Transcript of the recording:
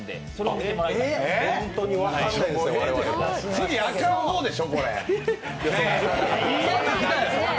次、あかん方でしょ。